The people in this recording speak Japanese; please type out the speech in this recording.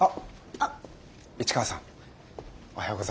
あっ市川さんおはようございます。